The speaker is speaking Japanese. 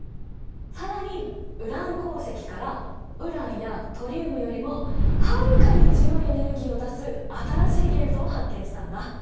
更にウラン鉱石からウランやトリウムよりもはるかに強いエネルギーを出す新しい元素を発見したんだ。